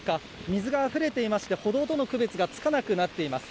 水があふれていまして歩道との区別がつかなくなっています。